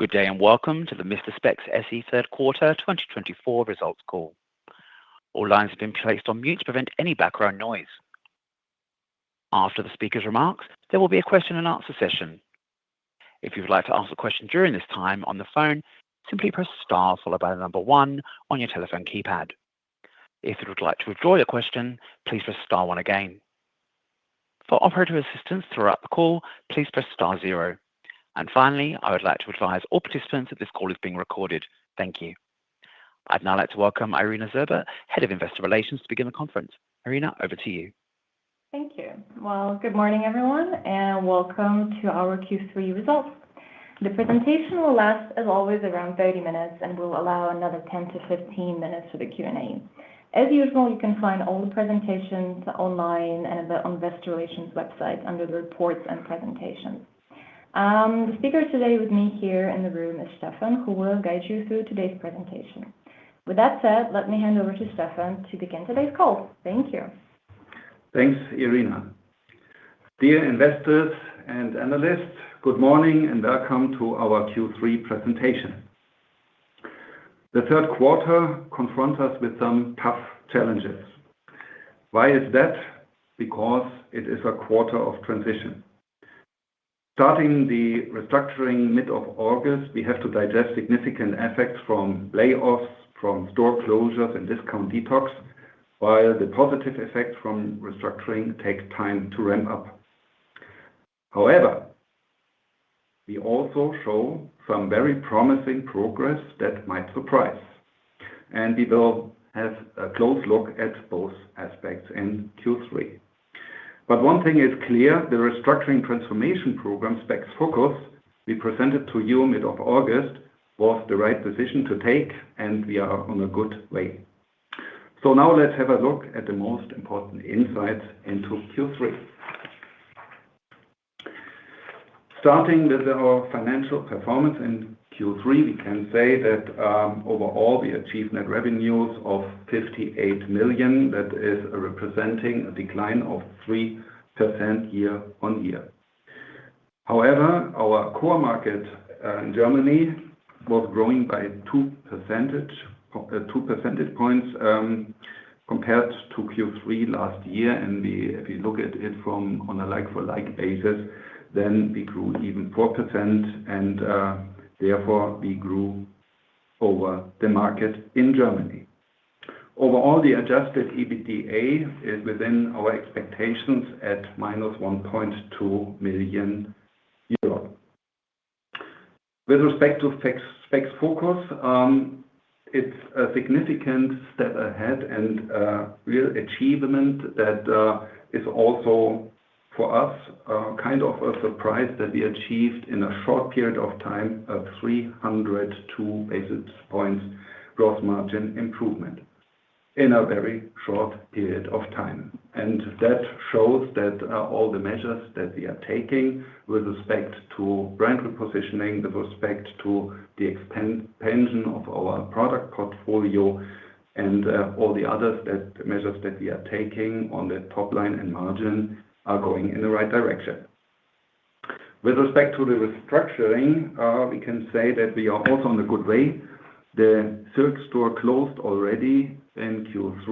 Good day and welcome to the Mister Spex SE Third Quarter 2024 results call. All lines have been placed on mute to prevent any background noise. After the speaker's remarks, there will be a question and answer session. If you would like to ask a question during this time on the phone, simply press star followed by the number one on your telephone keypad. If you would like to withdraw your question, please press star one again. For operator assistance throughout the call, please press star zero. And finally, I would like to advise all participants that this call is being recorded. Thank you. I'd now like to welcome Irina Zhurba, Head of Investor Relations, to begin the conference. Irina, over to you. Thank you. Well, good morning, everyone, and welcome to our Q3 results. The presentation will last, as always, around 30 minutes and will allow another 10 to 15 minutes for the Q&A. As usual, you can find all the presentations online and on the Investor Relations website under the reports and presentations. The speaker today with me here in the room is Stephan, who will guide you through today's presentation. With that said, let me hand over to Stephan to begin today's call. Thank you. Thanks, Irina. Dear investors and analysts, good morning and welcome to our Q3 presentation. The third quarter confronts us with some tough challenges. Why is that? Because it is a quarter of transition. Starting the restructuring in mid-August, we have to digest significant effects from layoffs, from store closures, and discount detox, while the positive effects from restructuring take time to ramp up. However, we also show some very promising progress that might surprise, and we will have a close look at both aspects in Q3. But one thing is clear: the restructuring transformation program SpexFocus, we presented to you in mid-August, was the right decision to take, and we are on a good way. So now let's have a look at the most important insights into Q3. Starting with our financial performance in Q3, we can say that overall we achieved net revenues of 58 million. That is representing a decline of 3% year on year. However, our core market in Germany was growing by 2 percentage points compared to Q3 last year. If we look at it from a like-for-like basis, then we grew even 4%, and therefore we grew over the market in Germany. Overall, the Adjusted EBITDA is within our expectations at -1.2 million euros. With respect to SpexFocus, it's a significant step ahead and a real achievement that is also for us kind of a surprise that we achieved in a short period of time a 302 basis points gross margin improvement in a very short period of time. That shows that all the measures that we are taking with respect to brand repositioning, with respect to the expansion of our product portfolio, and all the other measures that we are taking on the top line and margin are going in the right direction. With respect to the restructuring, we can say that we are also on a good way. The Zürich store closed already in Q3.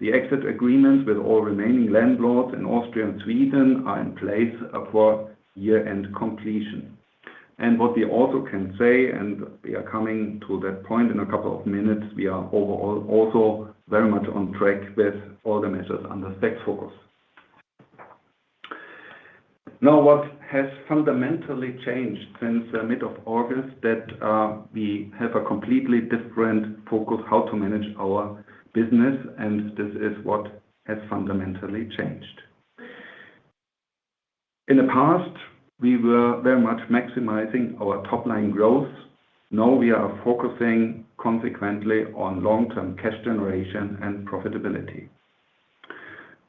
The exit agreements with all remaining landlords in Austria and Sweden are in place for year-end completion. And what we also can say, and we are coming to that point in a couple of minutes, we are overall also very much on track with all the measures under SpexFocus. Now, what has fundamentally changed since mid-August is that we have a completely different focus on how to manage our business, and this is what has fundamentally changed. In the past, we were very much maximizing our top line growth. Now we are focusing consequently on long-term cash generation and profitability.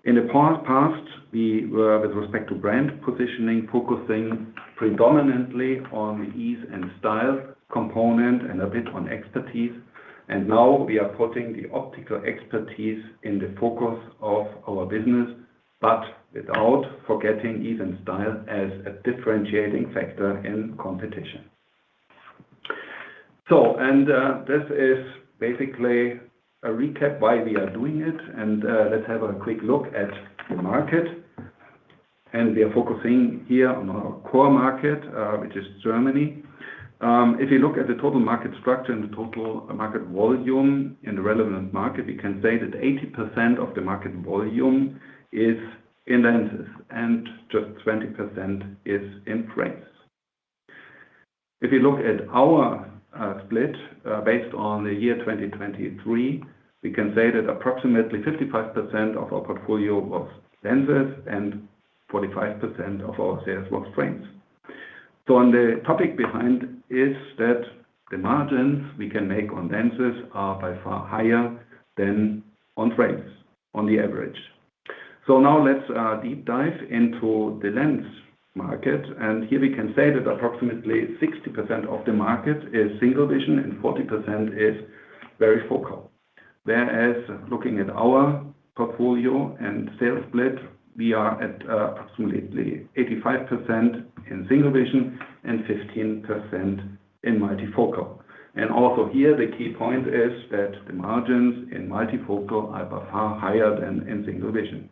In the past, we were, with respect to brand positioning, focusing predominantly on the ease and style component and a bit on expertise, and now we are putting the optical expertise in the focus of our business, but without forgetting ease and style as a differentiating factor in competition. So and this is basically a recap of why we are doing it, and let's have a quick look at the market, and we are focusing here on our core market, which is Germany. If you look at the total market structure and the total market volume in the relevant market, we can say that 80% of the market volume is in lenses and just 20% is in frames. If you look at our split based on the year 2023, we can say that approximately 55% of our portfolio was lenses and 45% of our sales was frames. So on the topic behind is that the margins we can make on lenses are by far higher than on frames, on the average. So now let's deep dive into the lens market. And here we can say that approximately 60% of the market is single vision and 40% is varifocal. Whereas looking at our portfolio and sales split, we are at approximately 85% in single vision and 15% in multifocal. And also here, the key point is that the margins in multifocal are by far higher than in single vision.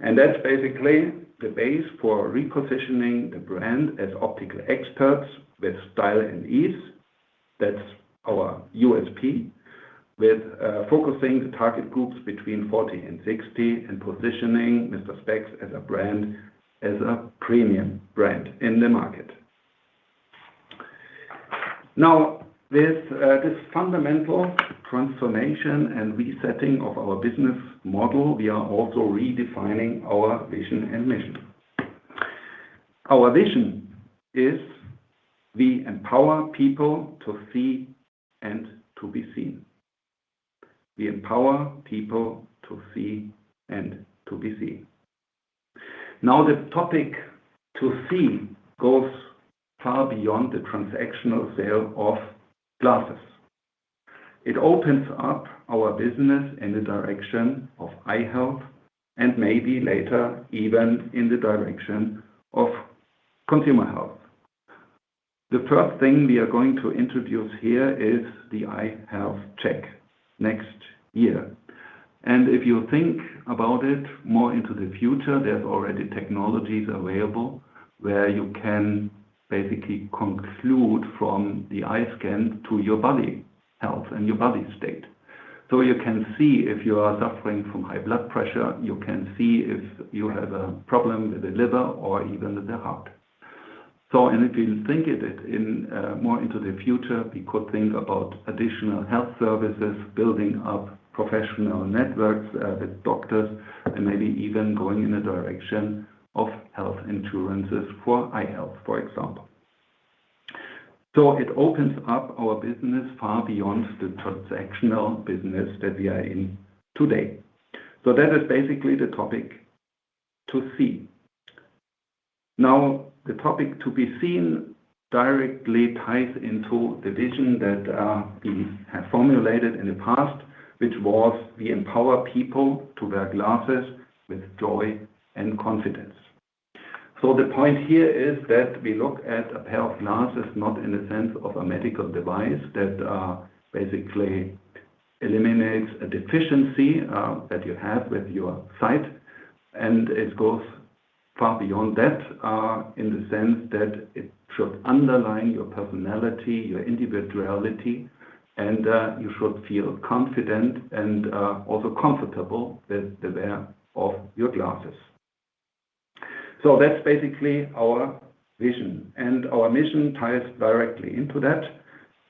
And that's basically the base for repositioning the brand as optical experts with style and ease. That's our USP, with focusing the target groups between 40 and 60 and positioning Mister Spex as a premium brand in the market. Now, with this fundamental transformation and resetting of our business model, we are also redefining our vision and mission. Our vision is we empower people to see and to be seen. We empower people to see and to be seen. Now, the topic to see goes far beyond the transactional sale of glasses. It opens up our business in the direction of eye health and maybe later even in the direction of consumer health. The first thing we are going to introduce here is the eye health check next year. And if you think about it more into the future, there's already technologies available where you can basically conclude from the eye scan to your body health and your body state. You can see if you are suffering from high blood pressure. You can see if you have a problem with the liver or even with the heart. If you think of it more into the future, we could think about additional health services, building up professional networks with doctors, and maybe even going in the direction of health insurances for eye health, for example. It opens up our business far beyond the transactional business that we are in today. That is basically the topic to see. Now, the topic to be seen directly ties into the vision that we have formulated in the past, which was we empower people to wear glasses with joy and confidence. The point here is that we look at a pair of glasses, not in the sense of a medical device, that basically eliminates a deficiency that you have with your sight. It goes far beyond that in the sense that it should underline your personality, your individuality, and you should feel confident and also comfortable with the wear of your glasses. That's basically our vision. Our mission ties directly into that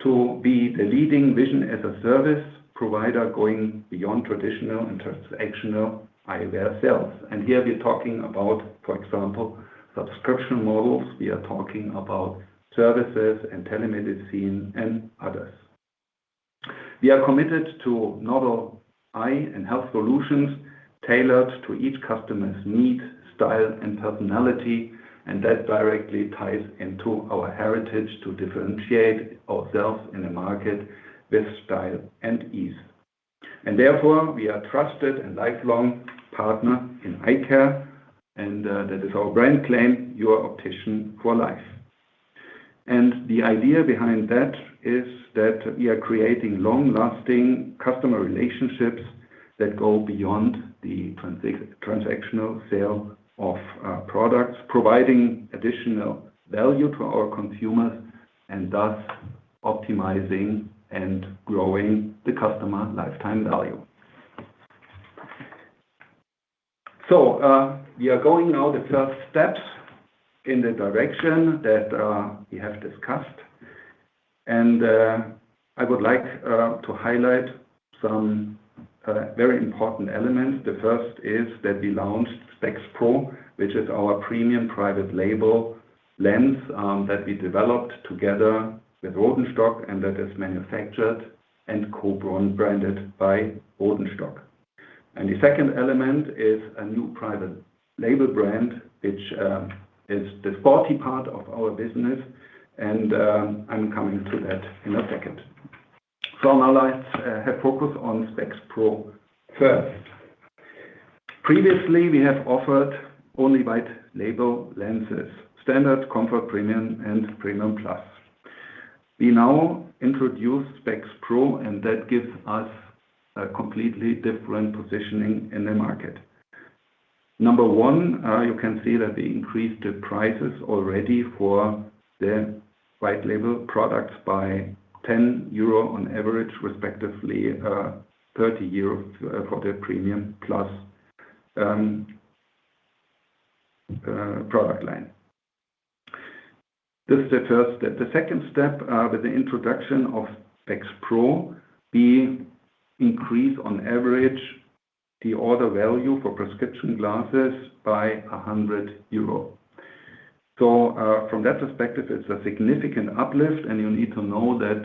to be the leading vision as a service provider going beyond traditional and transactional eyewear sales. Here we're talking about, for example, subscription models. We are talking about services and telemedicine and others. We are committed to novel eye and health solutions tailored to each customer's need, style, and personality. That directly ties into our heritage to differentiate ourselves in the market with style and ease. And therefore, we are a trusted and lifelong partner in eye care. And that is our brand claim, your optician for life. And the idea behind that is that we are creating long-lasting customer relationships that go beyond the transactional sale of products, providing additional value to our consumers and thus optimizing and growing the customer lifetime value. So we are going now the first steps in the direction that we have discussed. And I would like to highlight some very important elements. The first is that we launched SpexPro, which is our premium private label lens that we developed together with Rodenstock, and that is manufactured and co-branded by Rodenstock. And the second element is a new private label brand, which is the sporty part of our business. And I'm coming to that in a second. So now let's have a focus on SpexPro first. Previously, we have offered only white label lenses: standard, comfort, premium, and premium plus. We now introduce SpexPro, and that gives us a completely different positioning in the market. Number one, you can see that we increased the prices already for the white label products by 10 euro on average, respectively 30 euro for the premium plus product line. This is the first step. The second step, with the introduction of SpexPro, we increase on average the order value for prescription glasses by 100 euro. So from that perspective, it's a significant uplift. And you need to know that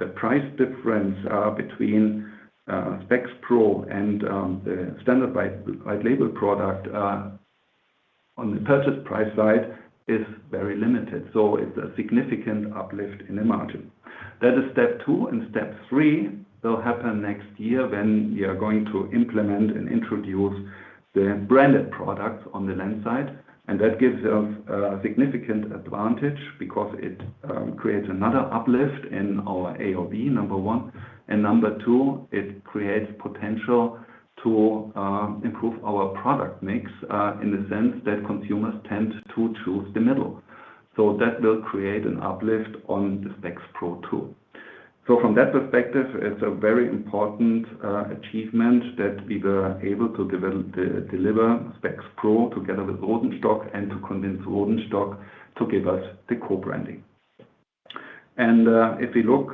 the price difference between SpexPro and the standard white label product on the purchase price side is very limited. So it's a significant uplift in the margin. That is step two. And step three will happen next year when we are going to implement and introduce the branded products on the lens side. And that gives us a significant advantage because it creates another uplift in our AOV, number one. And number two, it creates potential to improve our product mix in the sense that consumers tend to choose the middle. So that will create an uplift on the SpexPro too. So from that perspective, it's a very important achievement that we were able to deliver SpexPro together with Rodenstock and to convince Rodenstock to give us the co-branding. And if we look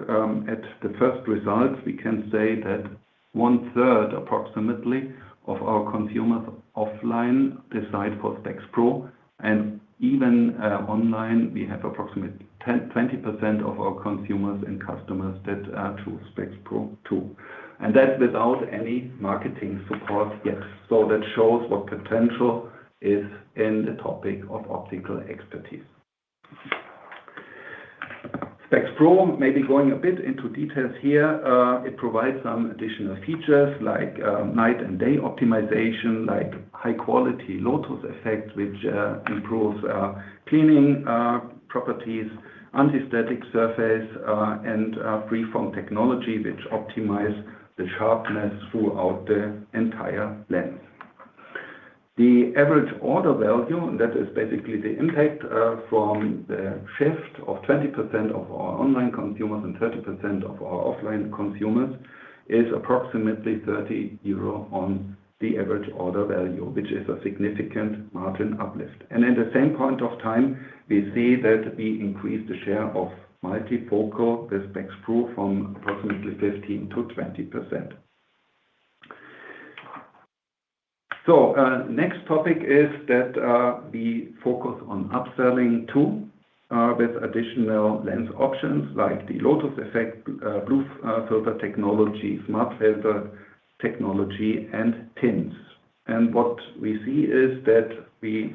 at the first results, we can say that one-third approximately of our consumers offline decide for SpexPro. And even online, we have approximately 20% of our consumers and customers that choose SpexPro too. And that's without any marketing support yet. That shows what potential is in the topic of optical expertise. SpexPro, maybe going a bit into details here, it provides some additional features like night and day optimization, like high-quality Lotus effect, which improves cleaning properties, anti-static surface, and free-form technology, which optimizes the sharpness throughout the entire lens. The average order value, and that is basically the impact from the shift of 20% of our online consumers and 30% of our offline consumers, is approximately 30 euro on the average order value, which is a significant margin uplift. And at the same point of time, we see that we increase the share of multifocal with SpexPro from approximately 15% to 20%. So the next topic is that we focus on upselling too with additional lens options like the Lotus effect, blue filter technology, smart filter technology, and tints. What we see is that we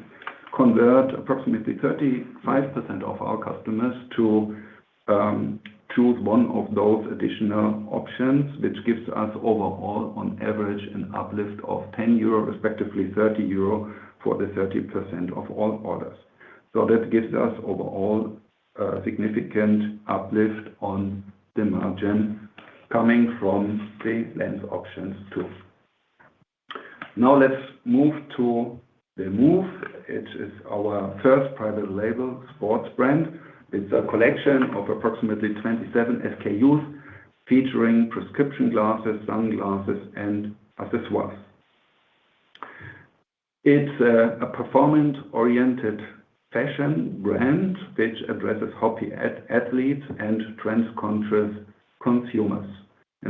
convert approximately 35% of our customers to choose one of those additional options, which gives us overall, on average, an uplift of 10 euro, respectively 30 euro for the 30% of all orders. That gives us overall a significant uplift on the margin coming from the lens options too. Now let's move to the Move. It is our first private label sports brand. It's a collection of approximately 27 SKUs featuring prescription glasses, sunglasses, and accessories. It's a performance-oriented fashion brand which addresses hobby athletes and trend-conscious consumers.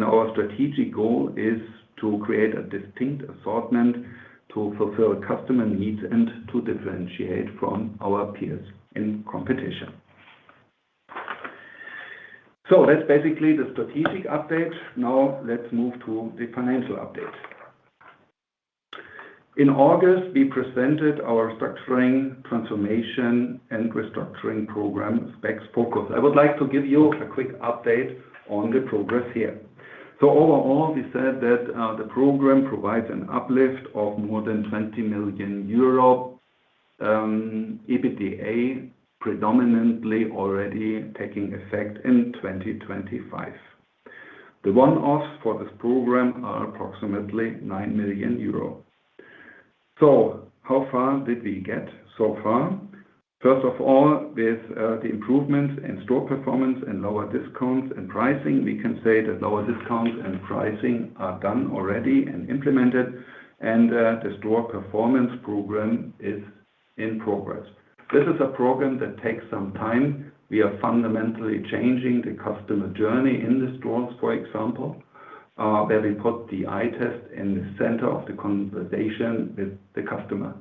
Our strategic goal is to create a distinct assortment to fulfill customer needs and to differentiate from our peers in competition. That's basically the strategic update. Now let's move to the financial update. In August, we presented our structuring, transformation, and restructuring program, SpexFocus. I would like to give you a quick update on the progress here. So overall, we said that the program provides an uplift of more than 20 million euro EBITDA, predominantly already taking effect in 2025. The one-offs for this program are approximately nine million euro. So how far did we get so far? First of all, with the improvements in store performance and lower discounts and pricing, we can say that lower discounts and pricing are done already and implemented. And the store performance program is in progress. This is a program that takes some time. We are fundamentally changing the customer journey in the stores, for example, where we put the eye test in the center of the conversation with the customer.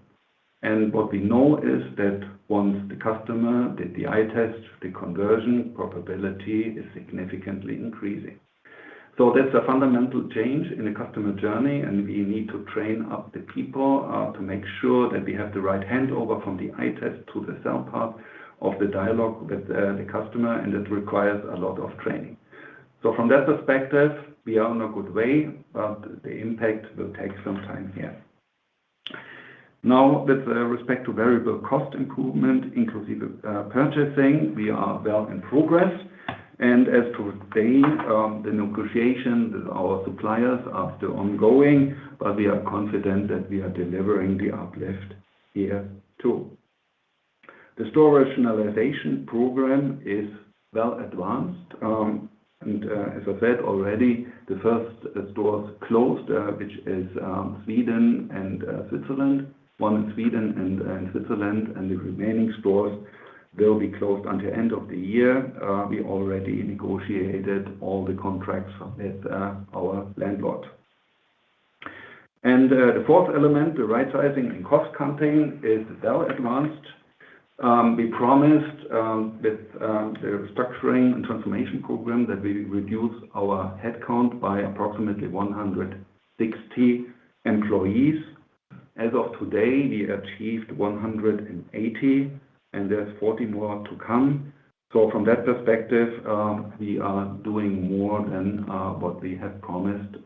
And what we know is that once the customer did the eye test, the conversion probability is significantly increasing. So that's a fundamental change in the customer journey. And we need to train up the people to make sure that we have the right handover from the eye test to the sell part of the dialogue with the customer. And it requires a lot of training. So from that perspective, we are on a good way, but the impact will take some time here. Now, with respect to variable cost improvement, inclusive purchasing, we are well in progress. And as to the negotiation with our suppliers, they are still ongoing, but we are confident that we are delivering the uplift here too. The store rationalization program is well advanced. And as I said already, the first stores closed, which is Sweden and Switzerland, one in Sweden and Switzerland. And the remaining stores will be closed until the end of the year. We already negotiated all the contracts with our landlord. And the fourth element, the rightsizing and cost cutting, is well advanced. We promised with the restructuring and transformation program that we will reduce our headcount by approximately 160 employees. As of today, we achieved 180, and there's 40 more to come. So from that perspective, we are doing more than what we had promised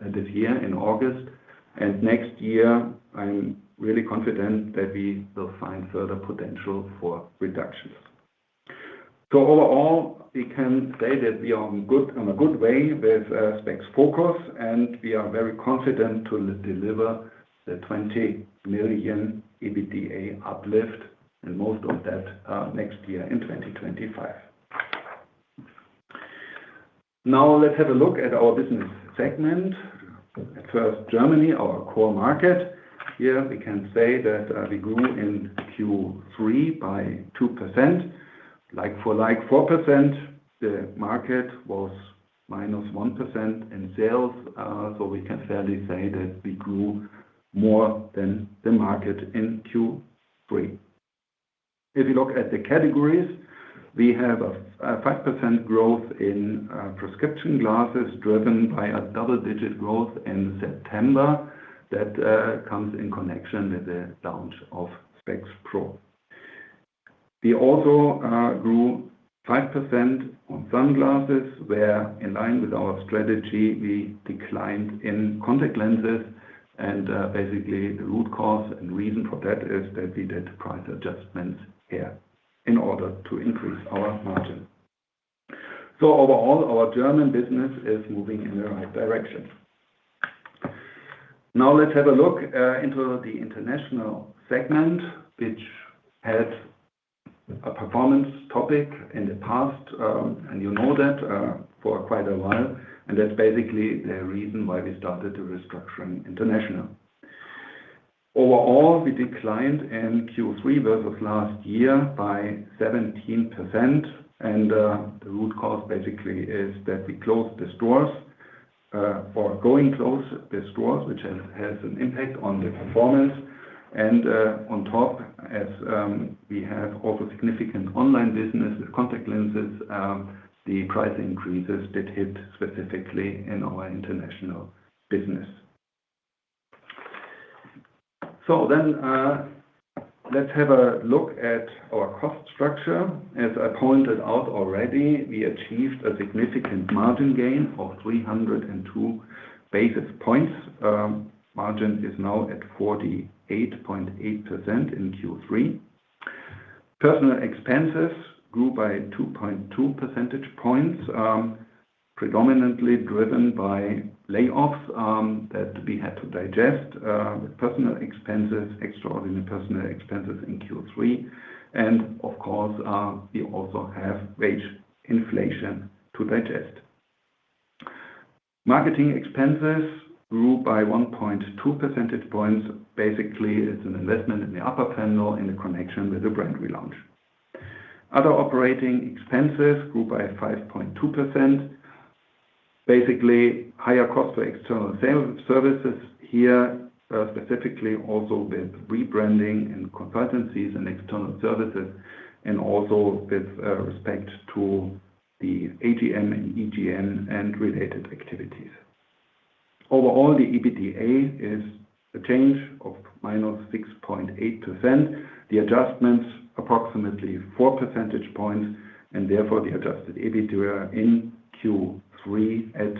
this year in August. And next year, I'm really confident that we will find further potential for reductions. So overall, we can say that we are on a good way with SpexFocus, and we are very confident to deliver the 20 million EBITDA uplift, and most of that next year in 2025. Now, let's have a look at our business segment. First, Germany, our core market. Here, we can say that we grew in Q3 by 2%. Like-for-like 4%, the market was minus 1% in sales. So we can fairly say that we grew more than the market in Q3. If you look at the categories, we have a 5% growth in prescription glasses driven by a double-digit growth in September. That comes in connection with the launch of SpexPro. We also grew 5% on sunglasses, where in line with our strategy, we declined in contact lenses. Basically, the root cause and reason for that is that we did price adjustments here in order to increase our margin. So overall, our German business is moving in the right direction. Now, let's have a look into the international segment, which has a performance topic in the past, and you know that for quite a while. That's basically the reason why we started the restructuring international. Overall, we declined in Q3 versus last year by 17%. And the root cause basically is that we closed the stores or going to close the stores, which has an impact on the performance. And on top, as we have also significant online business with contact lenses, the price increases did hit specifically in our international business. So then let's have a look at our cost structure. As I pointed out already, we achieved a significant margin gain of 302 basis points. Margin is now at 48.8% in Q3. Personnel expenses grew by 2.2 percentage points, predominantly driven by layoffs that we had to digest with personnel expenses, extraordinary personnel expenses in Q3. And of course, we also have wage inflation to digest. Marketing expenses grew by 1.2 percentage points. Basically, it's an investment in the upper funnel in connection with the brand relaunch. Other operating expenses grew by 5.2%. Basically, higher cost for external services here, specifically also with rebranding and consultancies and external services, and also with respect to the AGM and EGM and related activities. Overall, the EBITDA is a change of minus 6.8%. The adjustment is approximately 4 percentage points. And therefore, the adjusted EBITDA in Q3 is at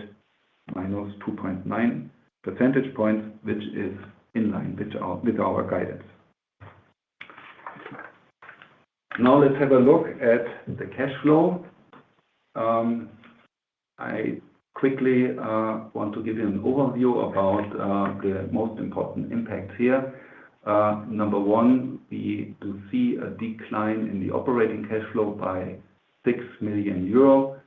minus 2.9 percentage points, which is in line with our guidance. Now, let's have a look at the cash flow. I quickly want to give you an overview about the most important impact here. Number one, we do see a decline in the operating cash flow by 6 million euro.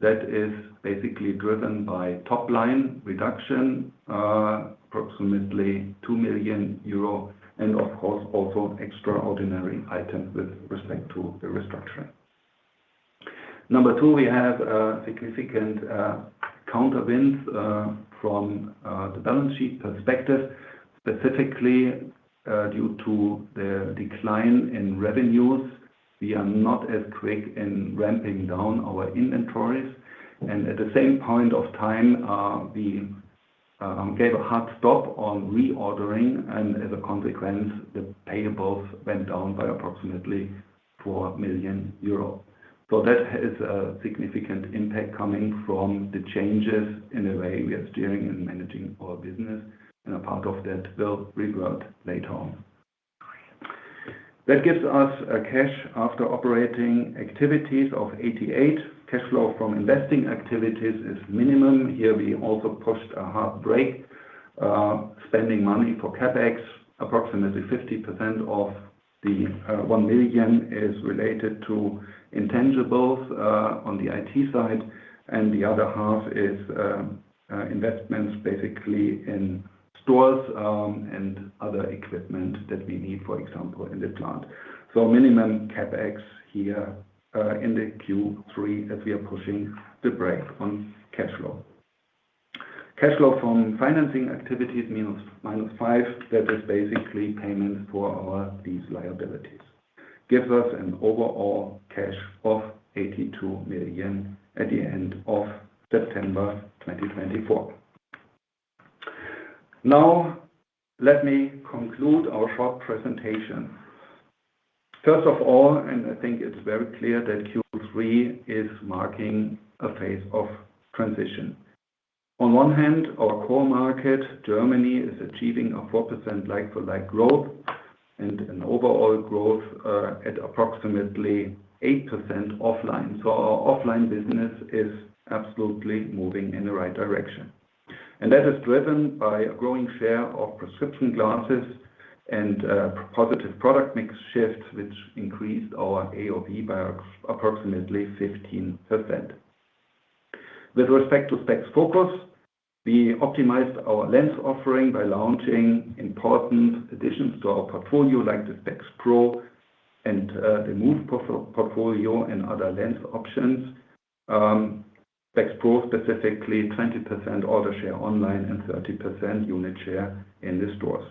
That is basically driven by top-line reduction, approximately 2 million euro, and of course, also extraordinary items with respect to the restructuring. Number two, we have significant headwinds from the balance sheet perspective, specifically due to the decline in revenues. We are not as quick in ramping down our inventories, and at the same point of time, we gave a hard stop on reordering, and as a consequence, the payables went down by approximately 4 million euros. So that is a significant impact coming from the changes in the way we are steering and managing our business, and a part of that will revert later on. That gives us cash after operating activities of 88. Cash flow from investing activities is minimum. Here, we also pushed a hard brake. Spending money for CapEx, approximately 50% of the 1 million is related to intangibles on the IT side, and the other half is investments basically in stores and other equipment that we need, for example, in the plant. So minimum CapEx here in Q3 as we are pushing the brake on cash flow. Cash flow from financing activities, minus 5 million, that is basically payments for our lease liabilities, gives us an overall cash of 82 million at the end of September 2024. Now, let me conclude our short presentation. First of all, and I think it's very clear that Q3 is marking a phase of transition. On one hand, our core market, Germany, is achieving a 4% like-for-like growth and an overall growth at approximately 8% offline. So our offline business is absolutely moving in the right direction. And that is driven by a growing share of prescription glasses and positive product mix shifts, which increased our AOV by approximately 15%. With respect to SpexFocus, we optimized our lens offering by launching important additions to our portfolio like the SpexPro and the Move portfolio and other lens options. SpexPro, specifically 20% order share online and 30% unit share in the stores.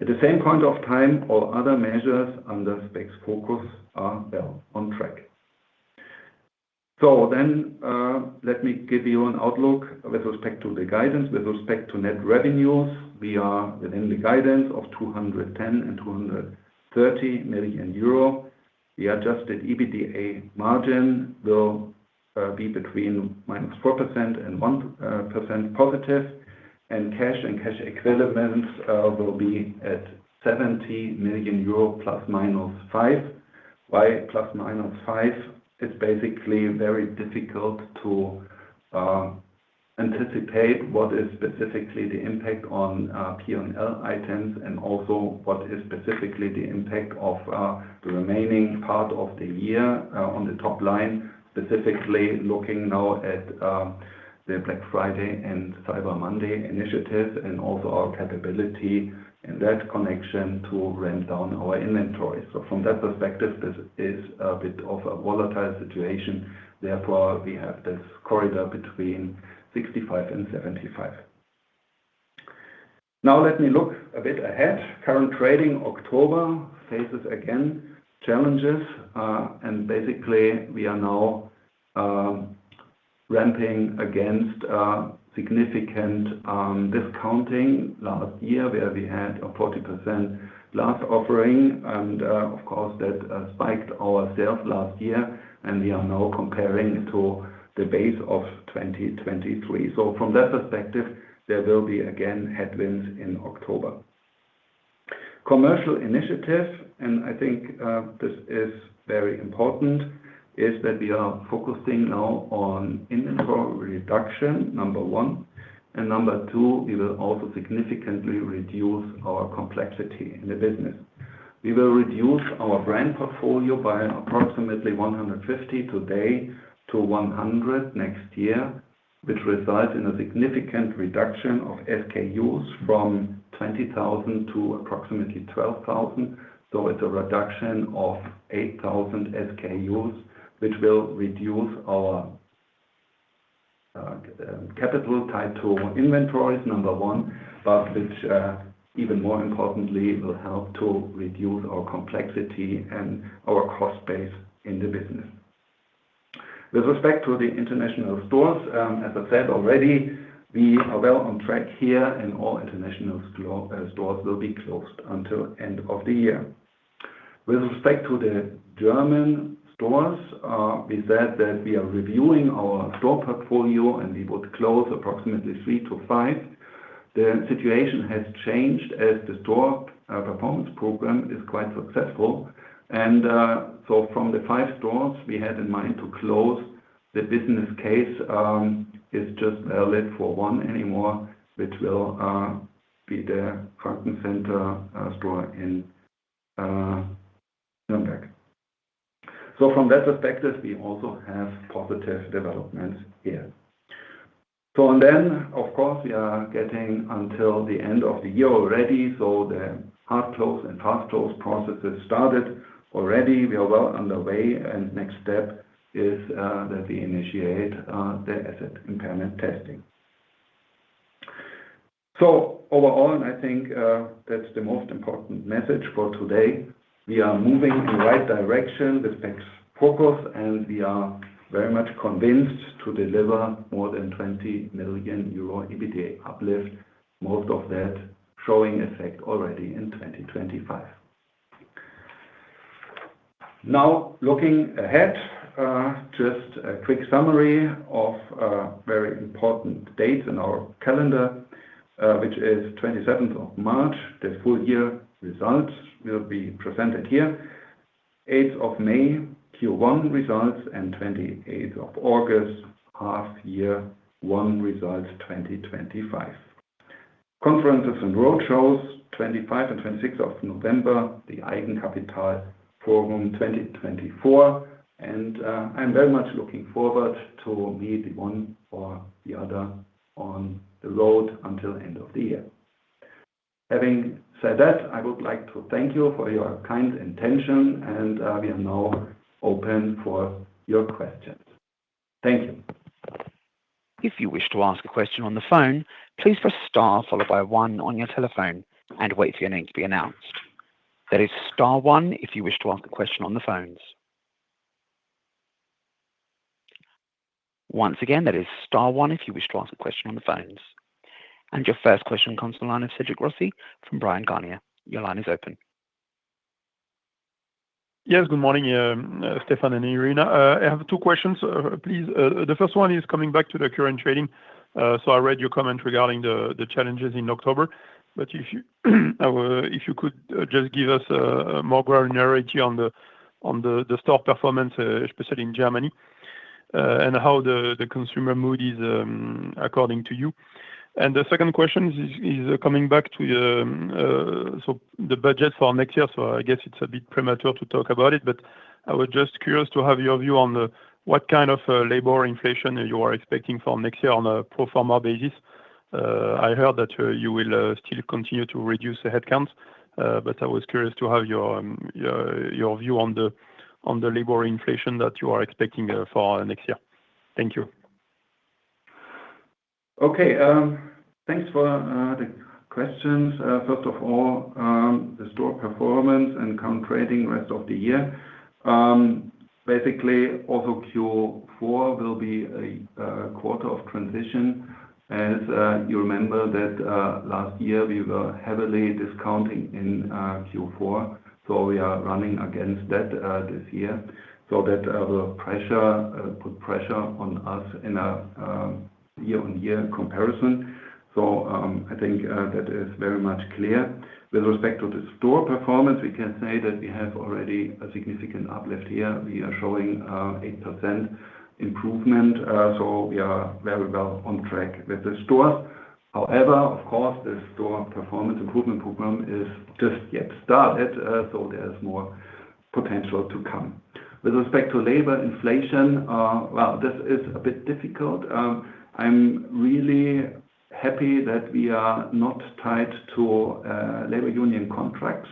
At the same point of time, all other measures under SpexFocus are well on track, so then let me give you an outlook with respect to the guidance. With respect to net revenues, we are within the guidance of 210 million and 230 million euro. The Adjusted EBITDA margin will be between -4% and +1%. And cash and cash equivalents will be at 70 million euro plus minus 5. Why plus minus 5? It's basically very difficult to anticipate what is specifically the impact on P&L items and also what is specifically the impact of the remaining part of the year on the top line, specifically looking now at the Black Friday and Cyber Monday initiatives and also our capability in that connection to ramp down our inventory. So from that perspective, this is a bit of a volatile situation. Therefore, we have this corridor between 65 and 75. Now, let me look a bit ahead. Current trading October faces again challenges. And basically, we are now ramping against significant discounting last year, where we had a 40% glass offering. And of course, that spiked our sales last year. And we are now comparing to the base of 2023. So from that perspective, there will be again headwinds in October. Commercial initiative, and I think this is very important, is that we are focusing now on inventory reduction, number one. And number two, we will also significantly reduce our complexity in the business. We will reduce our brand portfolio by approximately 150 today to 100 next year, which results in a significant reduction of SKUs from 20,000 to approximately 12,000. So it's a reduction of 8,000 SKUs, which will reduce our capital tied to inventories, number one, but which, even more importantly, will help to reduce our complexity and our cost base in the business. With respect to the international stores, as I said already, we are well on track here, and all international stores will be closed until the end of the year. With respect to the German stores, we said that we are reviewing our store portfolio, and we would close approximately three to five. The situation has changed as the store performance program is quite successful. And so from the five stores we had in mind to close, the business case is just valid for one anymore, which will be the Franken-Center store in Nürnberg. So from that perspective, we also have positive developments here. So then, of course, we are getting until the end of the year already. So the hard close and fast close processes started already. We are well underway. And next step is that we initiate the asset impairment testing. So overall, I think that's the most important message for today. We are moving in the right direction with SpexFocus, and we are very much convinced to deliver more than 20 million euro EBITDA uplift, most of that showing effect already in 2025. Now, looking ahead, just a quick summary of very important dates in our calendar, which is 27th of March. The full year results will be presented here. 8th of May, Q1 results, and 28th of August, half-year one results 2025. Conferences and roadshows, 25 and 26th of November, the Eigenkapitalforum 2024. I'm very much looking forward to meeting one or the other on the road until the end of the year. Having said that, I would like to thank you for your kind intention, and we are now open for your questions. Thank you. If you wish to ask a question on the phone, please press star followed by one on your telephone and wait for your name to be announced. That is star one if you wish to ask a question on the phones. Once again, that is star one if you wish to ask a question on the phones. Your first question comes from the line of Cédric Rossi from Bryan, Garnier & Co. Your line is open. Yes, good morning, Stephan and Irina. I have two questions, please. The first one is coming back to the current trading, so I read your comment regarding the challenges in October. But if you could just give us a more granularity on the store performance, especially in Germany, and how the consumer mood is according to you. And the second question is coming back to the budget for next year. So I guess it's a bit premature to talk about it, but I was just curious to have your view on what kind of labor inflation you are expecting for next year on a pro forma basis. I heard that you will still continue to reduce the headcounts, but I was curious to have your view on the labor inflation that you are expecting for next year. Thank you. Okay. Thanks for the questions. First of all, the store performance and current trading rest of the year. Basically, also Q4 will be a quarter of transition. As you remember, last year, we were heavily discounting in Q4. So we are running against that this year. So that will put pressure on us in a year-on-year comparison. So I think that is very much clear. With respect to the store performance, we can say that we have already a significant uplift here. We are showing an 8% improvement. So we are very well on track with the stores. However, of course, the store performance improvement program is just yet started. So there is more potential to come. With respect to labor inflation, well, this is a bit difficult. I'm really happy that we are not tied to labor union contracts.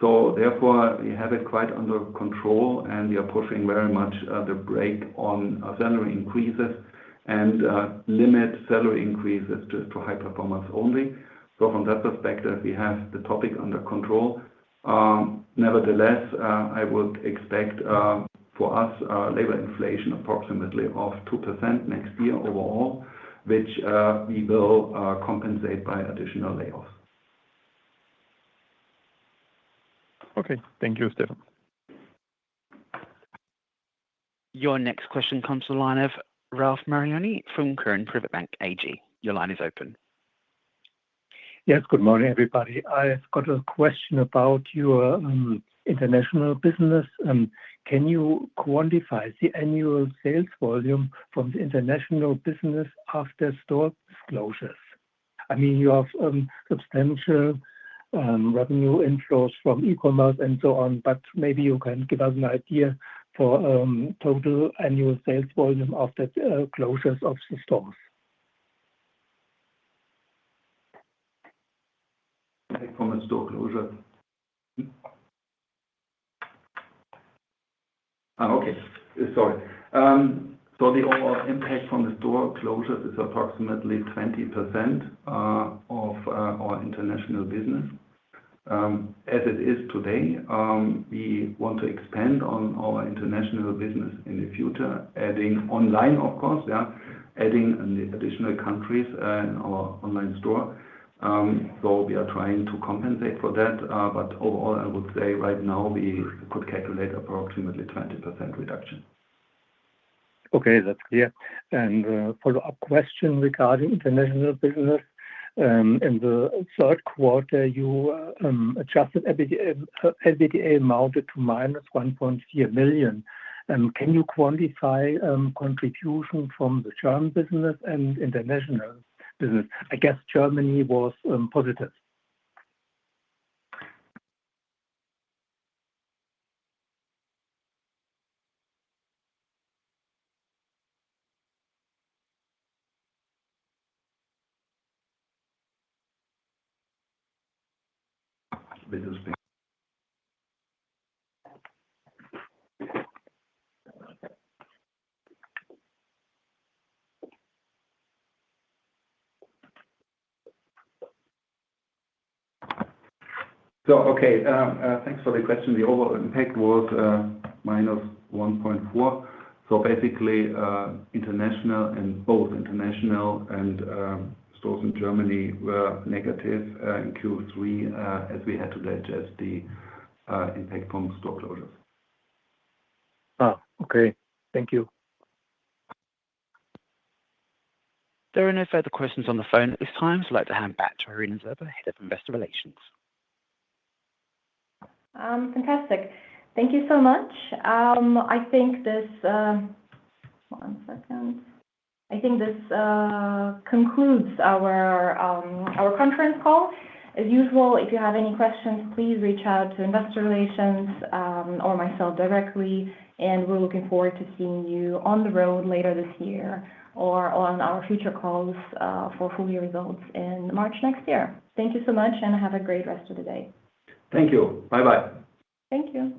So therefore, we have it quite under control, and we are pushing very much the brake on salary increases and limit salary increases just for high performance only. So from that perspective, we have the topic under control. Nevertheless, I would expect for us labor inflation approximately of 2% next year overall, which we will compensate by additional layoffs. Okay. Thank you, Stephan. Your next question comes to the line of Ralf Marinoni from Quirin Privatbank AG. Your line is open. Yes, good morning, everybody. I've got a question about your international business. Can you quantify the annual sales volume from the international business after store closures? I mean, you have substantial revenue inflows from e-commerce and so on, but maybe you can give us an idea for total annual sales volume after closures of the stores. From the store closures. Okay. Sorry. So the overall impact from the store closures is approximately 20% of our international business. As it is today, we want to expand on our international business in the future, adding online, of course, adding additional countries in our online store. We are trying to compensate for that. But overall, I would say right now, we could calculate approximately 20% reduction. Okay, that's clear. And follow-up question regarding international business. In the third quarter, your Adjusted EBITDA amounted to - 1.4 million. Can you quantify contribution from the German business and international business? I guess Germany was positive. So okay, thanks for the question. The overall impact was - 1.4 million. So basically, international and both international and stores in Germany were negative in Q3, as we had to digest the impact from store closures. Okay. Thank you. There are no further questions on the phone at this time. So I'd like to hand back to Irina Zhurba, Head of Investor Relations. Fantastic. Thank you so much. I think this. One second. I think this concludes our conference call. As usual, if you have any questions, please reach out to Investor Relations or myself directly, and we're looking forward to seeing you on the road later this year or on our future calls for full year results in March next year. Thank you so much, and have a great rest of the day. Thank you. Bye-bye. Thank you.